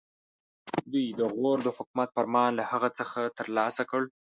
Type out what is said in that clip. دوی د غور د حکومت فرمان له هغه څخه ترلاسه کړ.